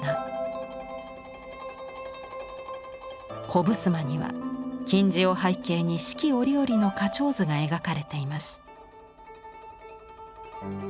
小ぶすまには金地を背景に四季折々の花鳥図が描かれています。